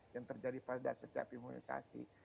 yang terjadi pada setiap imunisasi